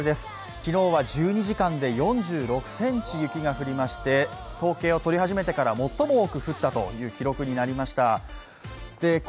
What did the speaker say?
昨日は１２時間で４６ｃｍ、雪が降りまして統計を取り始めてから最も多く降った記録になりました。